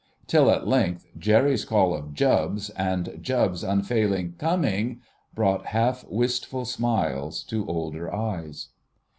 Till at length Jerry's call of "Jubbs!" and Jubbs' unfailing "Coming!" brought half wistful smiles to older eyes.